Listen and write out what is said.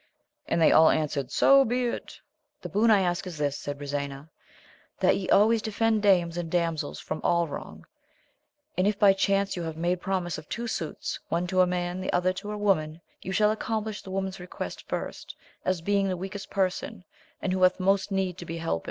And they all answered, so be it ! The boon I ask is this, said Brisena, that ye always defend dames and damsels from all wrong ; and if by chance you have made promise of two suits, one to a man, the other to a woman, you shall accomplish the woman's request firat, as being the weakest person, and who hath most need to be holpen.